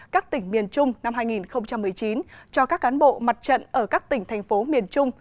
các tỉnh miền trung năm hai nghìn một mươi chín cho các cán bộ mặt trận ở các tỉnh thành phố miền trung